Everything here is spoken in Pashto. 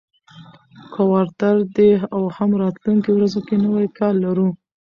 کوارټر دی او هم راتلونکو ورځو کې نوی کال لرو،